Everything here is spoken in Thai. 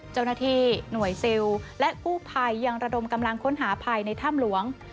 เจ้าหน้าที่หน่วยซิลและกู้ภัยยังระดมกำลังค้นหาภายในถ้ำหลวง